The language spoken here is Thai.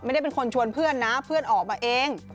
ไม่ได้เป็นคนชวนเพื่อนนะเพื่อนออกมาเอง